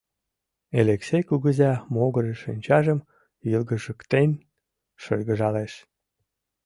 Элексей кугыза могырыш шинчажым йылгыжыктен шыргыжалеш.